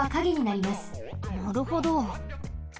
なるほど。